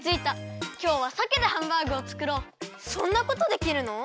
そんなことできるの？